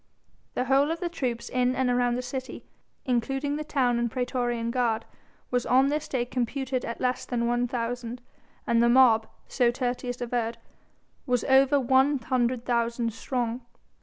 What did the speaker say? The whole of the troops in and around the city, including the town and praetorian guard, was on this day computed at less than one thousand, and the mob so Tertius averred was over one hundred thousand strong.